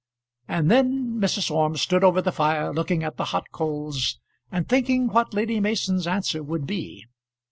And then Mrs. Orme stood over the fire, looking at the hot coals, and thinking what Lady Mason's answer would be.